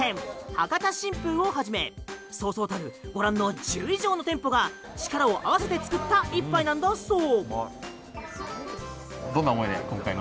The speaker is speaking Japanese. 博多新風をはじめそうそうたるご覧の１０以上の店舗が力を合わせて作った一杯なんだそう。